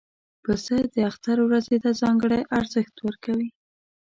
پسه د اختر ورځې ته ځانګړی ارزښت ورکوي.